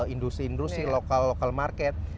indusi indusi lokal lokal market